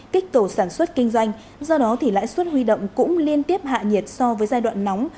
kích cầu sản xuất kinh doanh do đó thì lãi suất huy động cũng liên tiếp hạ nhiệt so với giai đoạn nóng